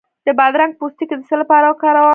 د بادرنګ پوستکی د څه لپاره وکاروم؟